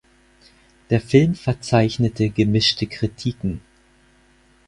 Der Film verzeichnete gemischte Kritiken.